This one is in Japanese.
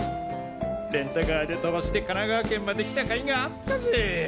レンタカーで飛ばして神奈川県まで来た甲斐があったぜ。